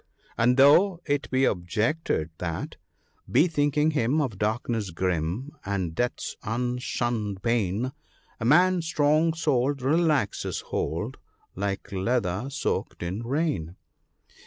And though it be objected that —" Bethinking him of darkness grim, and death's unshunned pain, A man strong souled relaxes hold, like leather soaked in rain."